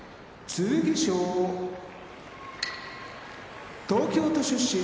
剣翔東京都出身